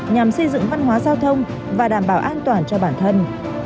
nhằm xây dựng văn hóa giao thông và đảm bảo an toàn cho bản thân